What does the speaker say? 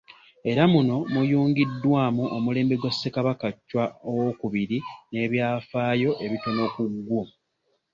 Era muno muyungiddwamu omulembe gwa Ssekabaka Chwa II n'ebyafaayo ebitono ku gwo.